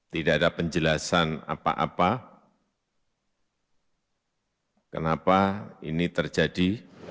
tidak ada penjelasan apa apa kenapa ini terjadi